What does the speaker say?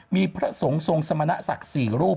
มีพระศงค์ทรงศมนสักษะ๔รูป